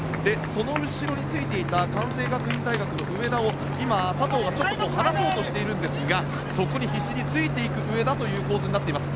その後ろについていた関西学院大学の上田を今、佐藤がちょっと離そうとしているんですがそこに必死についていく上田という構図になっています。